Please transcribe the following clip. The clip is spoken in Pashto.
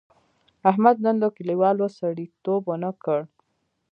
احمد نن له کلیوالو سړیتیوب و نه کړ.